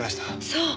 そう！